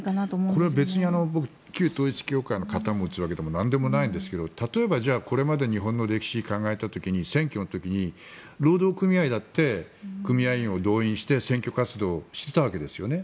これは別に旧統一教会の肩を持つわけでもなんでもないんですけど例えばじゃあこれまでに日本の歴史を考えた時に選挙の時に労働組合だって組合員を動員して選挙活動をしていたわけですよね。